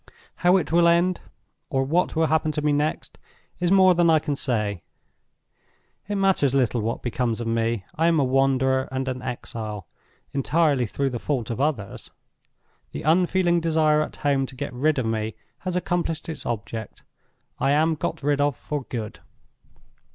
How it will end, or what will happen to me next, is more than I can say. It matters little what becomes of me. I am a wanderer and an exile, entirely through the fault of others. The unfeeling desire at home to get rid of me has accomplished its object. I am got rid of for good.